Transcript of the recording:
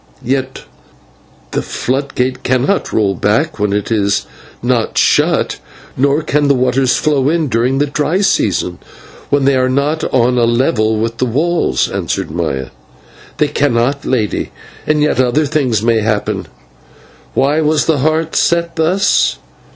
"Yet the flood gate cannot roll back when it is not shut, nor can the waters flow in during the dry season, when they are not on a level with the walls," answered Maya. "They cannot, Lady, and yet other things may happen. Why was the Heart set thus?